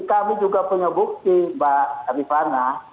kami juga punya bukti mbak rifana